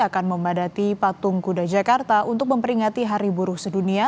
akan memadati patung kuda jakarta untuk memperingati hari buruh sedunia